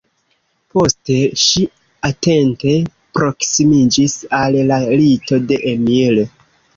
Poste ŝi atente proksimiĝis al la lito de Emil.